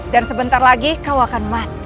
dan sebentar lagi kau akan mati